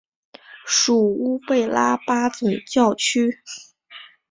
属乌贝拉巴总教区。